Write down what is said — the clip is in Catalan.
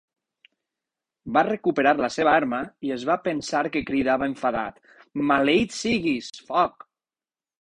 Va recuperar la seva arma i es va pensar que cridava enfadat Maleït siguis, foc!